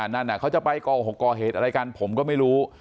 นั่นเขาจะไปก่อหกก่อเหตุอะไรกันผมก็ไม่รู้